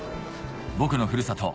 僕のふるさと